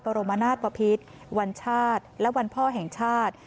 รมนาศปภิษวันชาติและวันพ่อแห่งชาติ